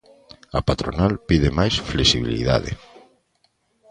A patronal pide máis flexibilidade.